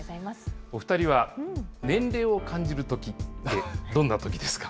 お２人は年齢を感じるときってどんなときですか？